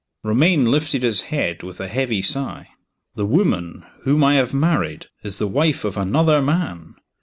Romayne lifted his head, with a heavy sigh. "The woman whom I have married is the wife of another man."